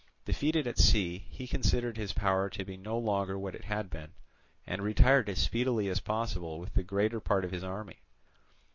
Defeated at sea, he considered his power to be no longer what it had been, and retired as speedily as possible with the greater part of his army.